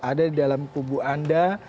ada di dalam kubu anda